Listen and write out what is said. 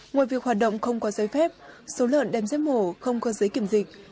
ngoài việc hoạt động không có giấy phép số lợn đem giết mổ không có giấy kiểm dịch